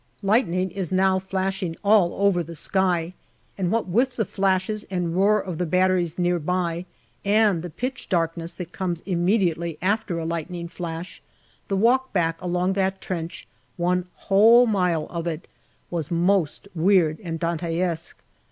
Lightning is now flashing all over the sky, and what with the flashes and roar of the batteries near by and the pitch darkness that comes immediately after a lightning flash, the walk back along that trench, one whole mile of it, was most weird and Dante esque.